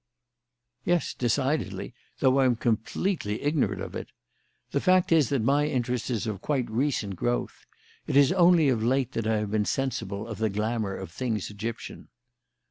"Yes, decidedly, though I am completely ignorant of it. The fact is that my interest is of quite recent growth. It is only of late that I have been sensible of the glamour of things Egyptian."